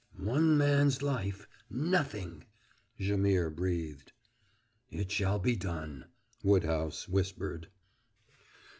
"One man's life nothing!" Jaimihr breathed. "It shall be done," Woodhouse whispered.